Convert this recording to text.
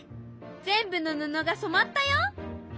全部の布がそまったよ。